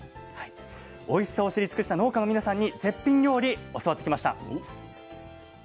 おいしさを知り尽くした農家の皆さんに絶品料理教わってきました。